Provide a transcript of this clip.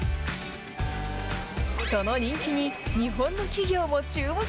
その人気に、日本の企業も注目。